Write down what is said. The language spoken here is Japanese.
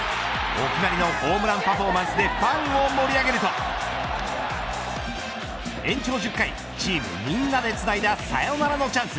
お決まりのホームランパフォーマンスでファンを盛り上げると延長１０回チームみんなでつないだサヨナラのチャンス。